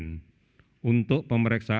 untuk pemeriksaan untuk pemeriksaan pcr